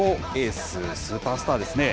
スーパースターですね。